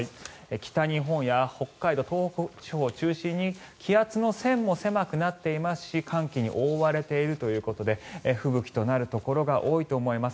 北日本や北海道東北地方を中心に気圧の線も狭くなっていますし寒気に覆われているということで吹雪となるところが多いと思います。